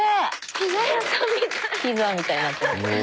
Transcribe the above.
ピザみたいなってる。